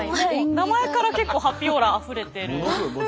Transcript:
名前から結構ハッピーオーラあふれてる。